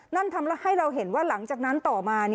นั่นทำให้เราเห็นว่าหลังจากนั้นต่อมา